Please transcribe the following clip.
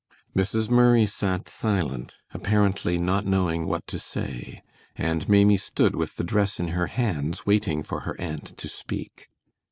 Mrs. Murray sat silent, apparently not knowing what to say, and Maimie stood with the dress in her hands waiting for her aunt to speak.